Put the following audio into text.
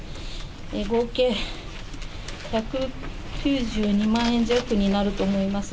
合計１９２万円弱になると思います。